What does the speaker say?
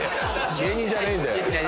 芸人じゃねえんだよ。